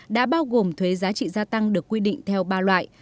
đã bao gồm thuế giá trị gia tăng được quy định theo ba loại